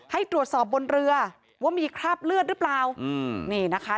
ให้ตรวจสอบบนเรือว่ามีคราบเลือดหรือเปล่า